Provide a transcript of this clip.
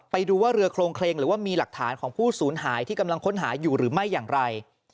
ไปดูว่าเรือโครงเคลงหรือว่ามีหลักฐานของผู้สูญหายที่กำลังค้นหาอยู่หรือไม่อย่างไร